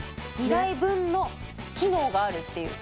２台分の機能があるっていう。